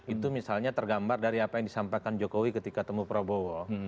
itu misalnya tergambar dari apa yang disampaikan jokowi ketika temu prabowo